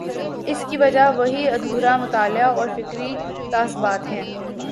اس کی وجہ وہی ادھورا مطالعہ اور فکری تعصبات ہیں۔